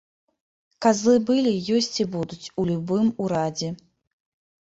Казлы былі, ёсць і будуць у любым урадзе.